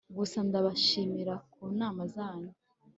gusa ndabashimira kunama zanyu